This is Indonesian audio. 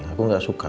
aku gak suka